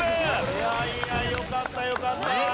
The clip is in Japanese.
いやいやよかったよかった。